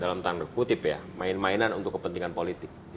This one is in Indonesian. dalam tanda kutip ya main mainan untuk kepentingan politik